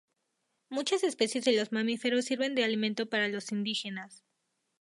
Muchas especies de mamíferos sirven de alimentos para los indígenas.